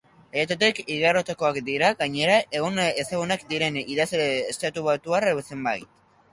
Haietatik igarotakoak dira, gainera, egun ezagunak diren idazle estatubatuar zenbait.